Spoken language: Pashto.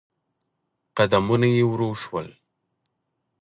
قدمونه يې ورو شول.